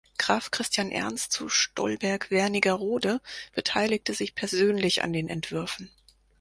Graf Christian Ernst zu Stolberg-Wernigerode beteiligte sich persönlich an den Entwürfen.